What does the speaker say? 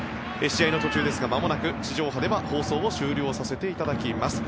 試合の途中ですがまもなく地上波では放送を終了させていただきます。